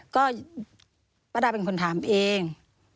ก็ป้าดาเป็นคนถามเอง